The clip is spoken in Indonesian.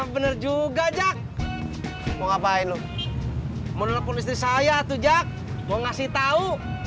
bener juga jack ngapain lu menelpon istri saya tuh jack mau ngasih tahu